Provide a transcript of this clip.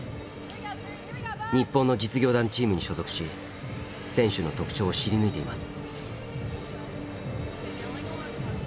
日本の実業団チームに所属し選手の特徴を知り抜いています。